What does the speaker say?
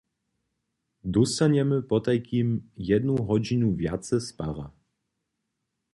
Dóstanjemy potajkim jednu hodźinu wjace spara.